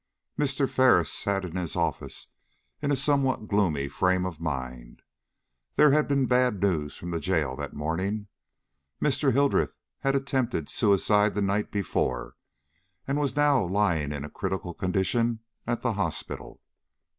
MR. FERRIS sat in his office in a somewhat gloomy frame of mind. There had been bad news from the jail that morning. Mr. Hildreth had attempted suicide the night before, and was now lying in a critical condition at the hospital. Mr.